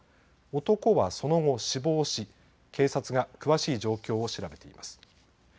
男はその後、死亡し警察が詳しい状況を調べています。